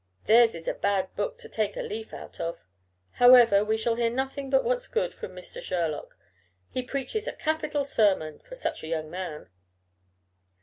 Theirs is a bad book to take a leaf out of. However, we shall hear nothing but what's good from Mr. Sherlock. He preaches a capital sermon for such a young man."